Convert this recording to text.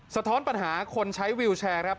ท้อนปัญหาคนใช้วิวแชร์ครับ